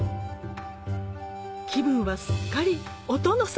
気分はすっかりお殿様！